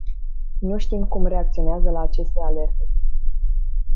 Nu știm cum reacționează la aceste alerte.